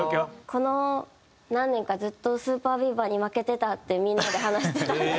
この何年かずっとＳＵＰＥＲＢＥＡＶＥＲに負けてたってみんなで話してた。